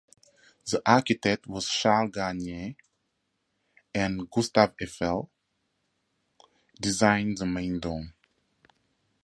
The architect was Charles Garnier, and Gustave Eiffel designed the main dome.